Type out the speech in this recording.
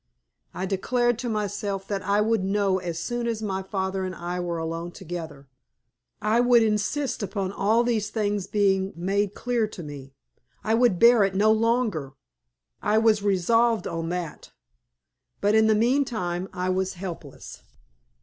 I declared to myself that I would know as soon as my father and I were alone together. I would insist upon all these things being made clear to me. I would bear it no longer, I was resolved on that. But in the meantime I was helpless.